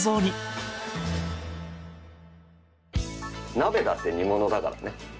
鍋だって煮物だからね。